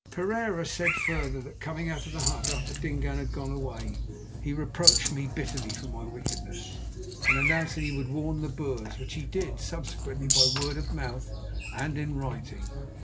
Pereira said further that coming out of the hut after Dingaan had gone away he reproached me bitterly for my wickedness, and announced that he would warn the Boers, which he did subsequently by word of mouth and in writing.